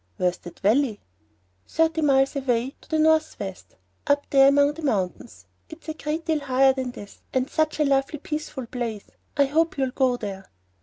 "Where is the valley?" "Thirty miles away to the northwest, up there among the mountains. It is a great deal higher than this, and such a lovely peaceful place. I hope you'll go there."